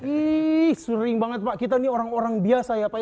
iiih sering banget pak kita nih orang orang biasa ya